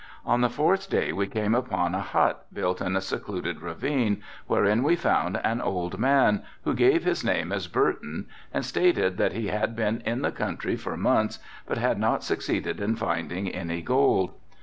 On the fourth day we came upon a hut built in a secluded ravine, wherein we found an old man, who gave his name as Burton and stated that he had been in the country for months but had not succeeded in finding any gold.